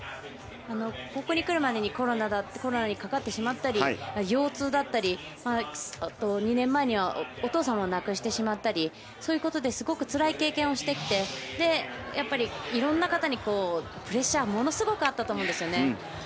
ここに来るまでにコロナにかかってしまったり腰痛だったり２年前にお父さんを亡くしたりそういうことですごくつらい経験をしてきていろんな方からのプレッシャーがものすごくあったと思うんですね。